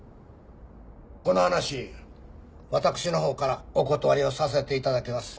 この話私の方からお断りをさせていただきます。